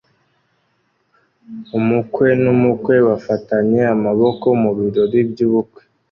Umukwe n'umukwe bafatanye amaboko mu birori by'ubukwe